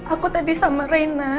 aku tadi sama rena